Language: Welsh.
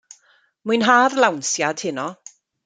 Mwynha'r lawnsiad heno.